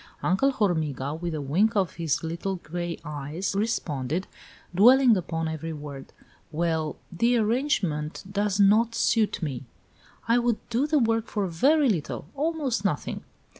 Uncle Hormiga, with a wink of his little gray eyes, responded, dwelling upon every word: "Well, that arrangement does not suit me." "I would do the work for very little almost nothing."